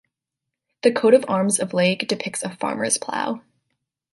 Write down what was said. The coat of arms of Lage depicts a farmer's plough.